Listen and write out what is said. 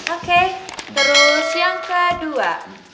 oke terus yang kedua